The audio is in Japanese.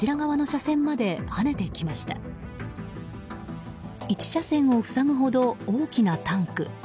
１車線を塞ぐほど大きなタンク。